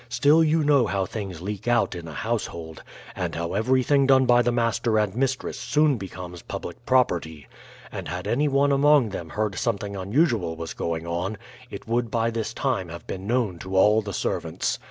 Still you know how things leak out in a household, and how everything done by the master and mistress soon becomes public property; and had any one among them heard something unusual was going on, it would by this time have been known to all the servants.